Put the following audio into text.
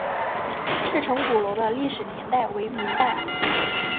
赤城鼓楼的历史年代为明代。